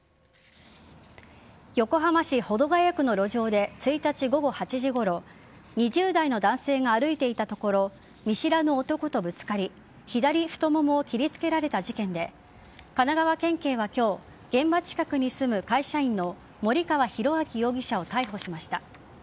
横浜市保土ケ谷区の路上で１日午後８時ごろ２０代の男性が歩いていたところ見知らぬ男とぶつかり左太ももを切りつけられた事件で神奈川県警は今日現場近くに住む会社員の森川浩昭容疑者を逮捕しました。